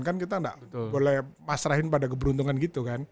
kan kita nggak boleh pasrahin pada keberuntungan gitu kan